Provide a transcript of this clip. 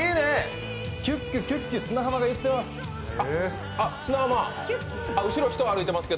キュッキュッキュ砂浜がいってます。